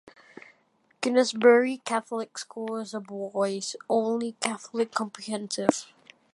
Gunnersbury Catholic School is a boys only Catholic comprehensive.